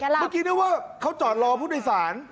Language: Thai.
เมื่อกี้นึกว่าเขาจอดรอผู้โดยสาร